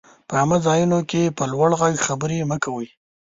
په عامه ځايونو کي په لوړ ږغ خبري مه کوئ!